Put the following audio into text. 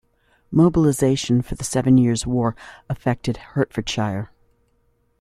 Mobilisation for the Seven Years' War affected Hertfordshire.